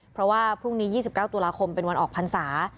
เพราะว่าพรุ่งนี้๒๙ตุลาคมเป็นวันออกพรรษา